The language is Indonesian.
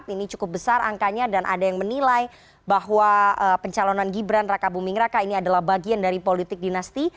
ini cukup besar angkanya dan ada yang menilai bahwa pencalonan gibran raka buming raka ini adalah bagian dari politik dinasti